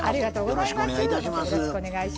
よろしくお願いします。